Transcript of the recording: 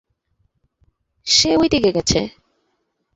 সে ঐ দিকে গেছে।